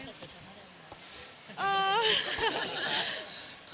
เออ